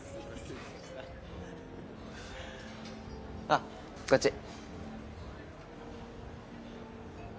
あっこっち。